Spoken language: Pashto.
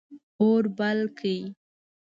اور بل کړئ